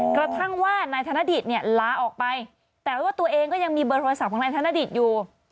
กระทั่งว่านายธนดิตเนี่ยลาออกไปแต่ว่าตัวเองก็ยังมีเบอร์โทรศัพท์ของนายธนดิตอยู่